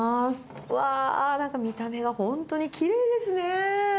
うわぁ、なんか見た目が本当にきれいですね。